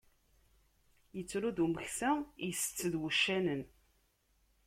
Ittru d umeksa, itett d wuccanen.